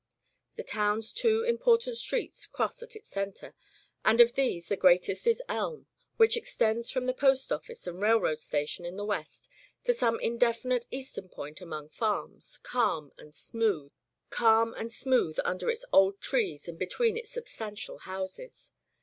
The town's two important streets cross at its centre, and of these, the greatest is Elm, which extends from the post office and rail road station in the west to some indefinite eastern point among farms, calm and smooth under its old trees and between its substan tial houses.